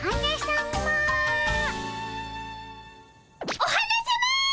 お花さま！